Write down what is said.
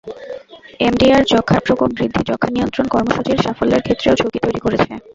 MDR যক্ষ্মার প্রকোপ বৃদ্ধি যক্ষ্মা নিয়ন্ত্রণ কর্মসূচির সাফল্যের ক্ষেত্রেও ঝুঁকি তৈরি করেছে।